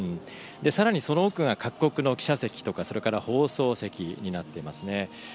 さらにその奥が各国の記者席とかそれから放送席になっています。